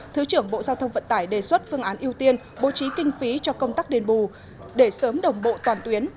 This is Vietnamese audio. thứ trưởng bộ giao thông vận tải đề xuất phương án ưu tiên bố trí kinh phí cho công tác đền bù để sớm đồng bộ toàn tuyến